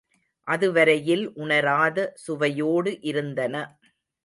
அது வரையில் உணராத சுவையோடு இருந்தன.